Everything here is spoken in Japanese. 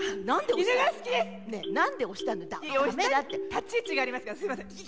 立ち位置がありますからすいません。